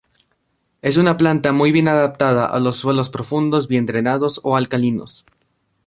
Es una planta muy bien adaptada a suelos profundos bien drenados o alcalinos.